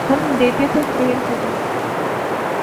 ہم دیتے تو فیل ہو جاتے